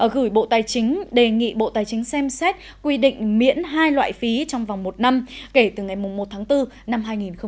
gửi bộ tài chính đề nghị bộ tài chính xem xét quy định miễn hai loại phí trong vòng một năm kể từ ngày một tháng bốn năm hai nghìn hai mươi